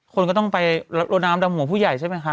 คนก็ต้องไปโรนามดำหัวผู้ใหญ่ใช่ไหมคะ